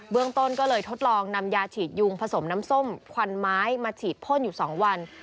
เรื่องต้นก็เลยทดลองนำยาฉีดยุงผสมน้ำส้มควันไม้มาฉีดพ่นอยู่๒วัน